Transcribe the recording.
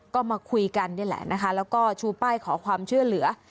ก็มาคุยกันนี่แหละนะคะแล้วก็ชูป้ายขอความช่วยเหลือ